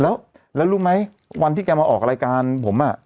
แล้วรู้ไหมวันที่แกมาออกรายการผม